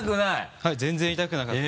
はい全然痛くなかった。